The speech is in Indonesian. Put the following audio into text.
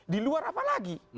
di luar apa lagi